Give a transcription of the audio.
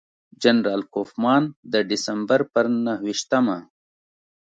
جنرال کوفمان د ډسمبر پر نهه ویشتمه.